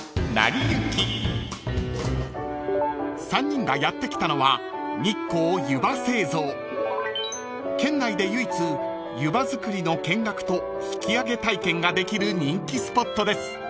［３人がやって来たのは］［県内で唯一ゆばづくりの見学と引き上げ体験ができる人気スポットです］